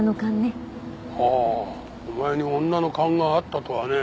ああお前に女の勘があったとはねえ。